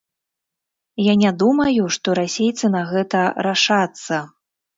Я не думаю, што расейцы на гэта рашацца.